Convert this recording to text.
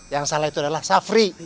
yang salah itu adalah safri